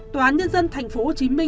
tòa án nhân dân tp hcm